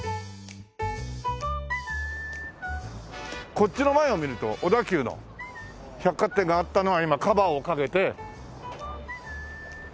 こっちの前を見ると小田急の百貨店があったのは今カバーをかけて。